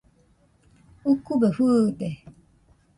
Ukube fɨɨde.